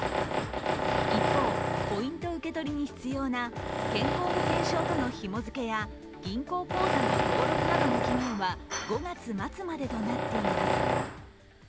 一方、ポイント受け取りに必要な健康保険証とのひも付けや銀行口座の登録などの期限は５月末までとなっています。